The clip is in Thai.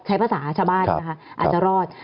ใช้ภาษาชาวบ้านนะคะอาจจะรอด